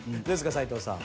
齊藤さん。